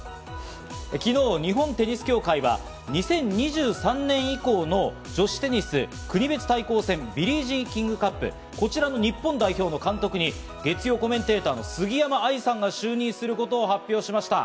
昨日、日本テニス協会は２０２３年以降の女子テニス国別対抗戦、ビリー・ジーン・キング・カップ、こちらの日本代表監督に月曜コメンテーターの杉山愛さんが就任することを発表しました。